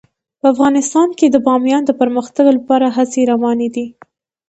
په افغانستان کې د بامیان د پرمختګ لپاره هڅې روانې دي.